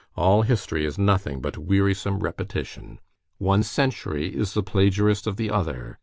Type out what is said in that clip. All history is nothing but wearisome repetition. One century is the plagiarist of the other.